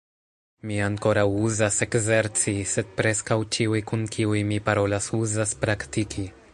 Mi ankoraŭ uzas ekzerci, sed preskaŭ ĉiuj kun kiuj mi parolas uzas praktiki.